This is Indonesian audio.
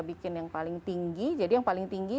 bikin yang paling tinggi jadi yang paling tinggi